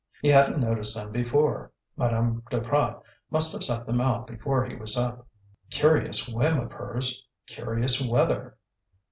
He hadn't noticed them before; Madame Duprat must have set them out before he was up. Curious whim of hers! Curious weather!